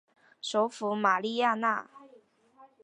首府玛利亚娜。